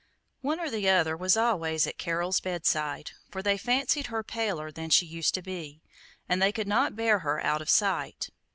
One or the other was always at Carol's bedside, for they fancied her paler than she used to be, and they could not bear her out of sight.